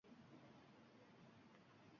Barchasi... sovet tuzumi tufayli».